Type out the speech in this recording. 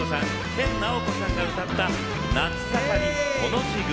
研ナオコさんが歌った「夏ざかりほの字組」。